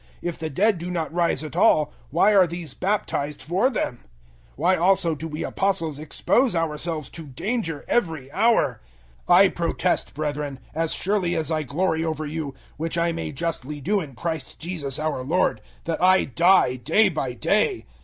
If the dead do not rise at all, why are these baptized for them? 015:030 Why also do we Apostles expose ourselves to danger every hour? 015:031 I protest, brethren, as surely as I glory over you which I may justly do in Christ Jesus our Lord that I die day by day.